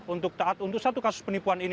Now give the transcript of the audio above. untuk taat untuk satu kasus penipuan ini